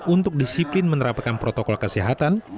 untuk disiplin menerapkan protokol kesehatan